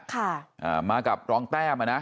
ค่ะมากับร้องแต้มนะ